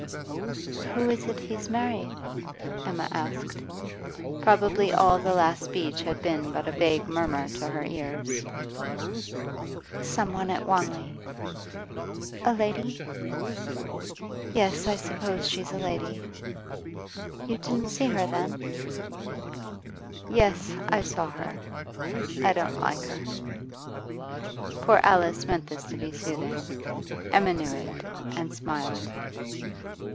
'Who is it he's married?' Emma asked. Probably all the last speech had been but a vague murmur to her ears. 'Some one at Wanley.' 'A lady?' 'Yes, I suppose she's a lady.' 'You didn't see her, then?' 'Yes, I saw her. I don't like her.' Poor Alice meant this to be soothing. Emma knew it, and smiled.